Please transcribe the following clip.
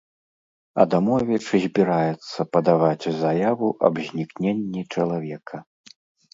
Адамовіч збіраецца падаваць заяву аб знікненні чалавека.